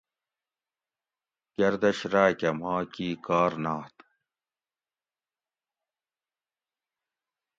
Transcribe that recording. گردش راۤکہ ما کی کار نات